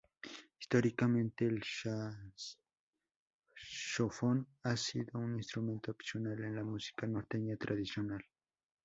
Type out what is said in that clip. Históricamente, el saxofón ha sido un instrumento opcional en la música norteña tradicional.